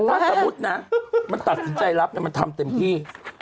ถ้าสมมุตินะมันตัดสินใจรับมันทำเต็มที่